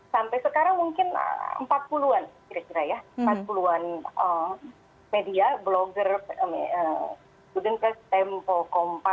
sampai sekarang mungkin empat puluh an kira kira ya empat puluh an media blogger student tempo kompas